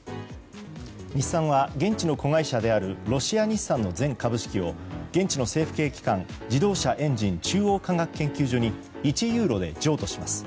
日産は、現地の子会社であるロシア日産の全株式を現地の政府系機関、自動車・エンジン中央化学研究所に１ユーロで譲渡します。